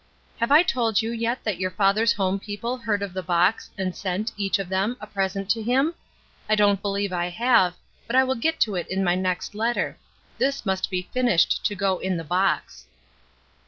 (Have I told you yet that yom* father's home people heard of the box and sent, each of them, a present to him? I don't believe I have, but I will get to it in my next letter ; this must be finished to go in the box.)